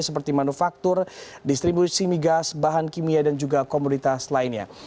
seperti manufaktur distribusi migas bahan kimia dan juga komoditas lainnya